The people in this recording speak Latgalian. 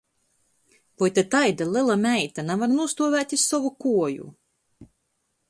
Voi ta taida lela meita navar nūstuovēt iz sovu kuoju?